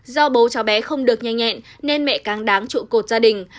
do bố cháu bé không được nhanh nhẹn nên mẹ càng đáng trụ cột gia đình